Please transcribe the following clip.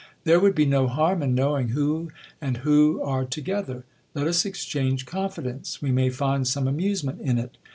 There would be no harm in knowing who and who are to gether. Let us exchange confidence : we may find some amusement in it.